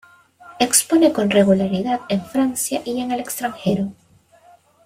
Expone con regularidad en Francia y en el extranjero.